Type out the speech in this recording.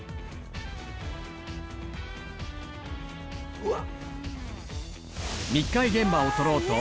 うわっ！